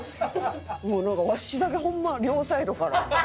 もうなんかわしだけホンマ両サイドから。